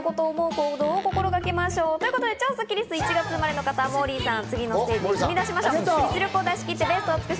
超スッキりすは１月生まれの方、モーリーさん。